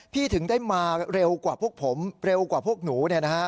ถึงได้มาเร็วกว่าพวกผมเร็วกว่าพวกหนู